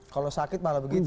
kalau sakit malah begitu